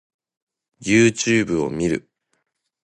Youtube を見る